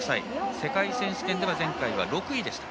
世界選手権では前回、６位でした。